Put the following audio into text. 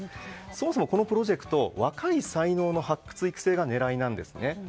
そもそもこのプロジェクト若い才能の発掘・育成が狙いなんですね。